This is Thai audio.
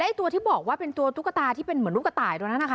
และตัวที่บอกเป็นตัวกระตาเหมือนรูปกระตาไอวะเนี่ยนะคะ